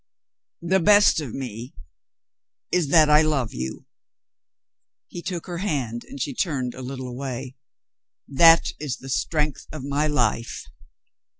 "The best of me is that I love you." He took her hand and she turned a little away. "That is the strength of my life."